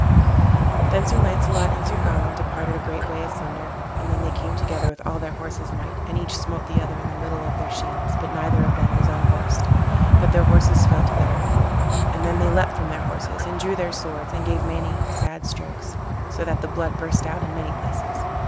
Then Sir Launcelot and Sir Gawain departed a great way asunder, and then they came together with all their horses' might, and each smote the other in the middle of their shields, but neither of them was unhorsed, but their horses fell to the earth. And then they leapt from their horses, and drew their swords, and gave many sad strokes, so that the blood burst out in many places.